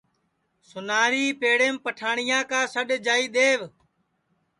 سُناری پیڑیم پیٹھٹؔیا کا سڈؔ جائی دؔیو